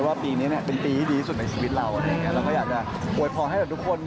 ว่าปีนี้เป็นปีที่ดีสุดในชีวิตเราเราก็อยากจะโวยพรให้ทุกคน